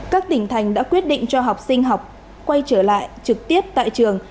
các tỉnh thành đã quyết định cho học sinh học quay trở lại trực tiếp tại trường